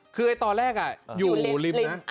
คือตอนแรกอยู่ริมนะ